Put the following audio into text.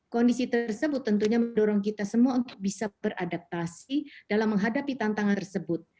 kondisi tersebut tentunya mendorong kita semua untuk bisa beradaptasi dalam menghadapi tantangan tersebut